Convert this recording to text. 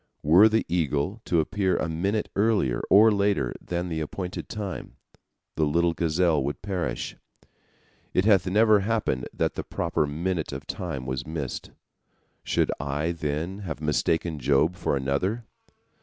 Were the eagle to appear a minute earlier or later than the appointed time, the little gazelle would perish. It hath never happened that the proper minute of time was missed. Should I, then, have mistaken Job for another?